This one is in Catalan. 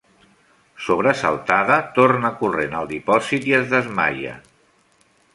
Sobresaltada, torna corrent al dipòsit i es desmaia.